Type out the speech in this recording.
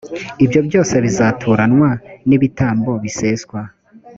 ibyo byose bizaturanwa n’ibitambo biseswa